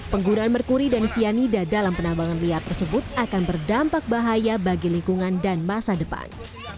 penggunaan merkuri dan cyanida dalam penambangan liar tersebut akan berdampak bahaya bagi lingkungan dan masa depan